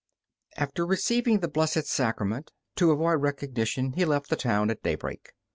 After receiving the Blessed Sacrament, to avoid recognition he left the town at daybreak.